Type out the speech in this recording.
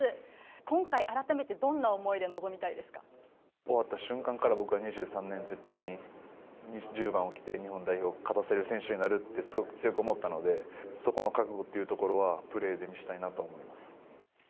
今回、改めてどんな思いで臨みた終わった瞬間から、僕は２３年、絶対に１０番を着て、日本代表を勝たせる選手になるってすごく強く思ったので、そこの覚悟っていうところは、プレーで見せたいなと思います。